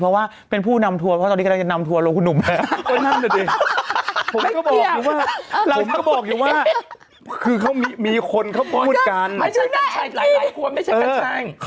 บอกว่าคุณพุดอำนำชอบน้ำทัวล์แน่ทุกประเทศจริง